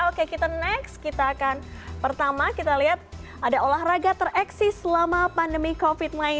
oke kita next kita akan pertama kita lihat ada olahraga tereksi selama pandemi covid sembilan belas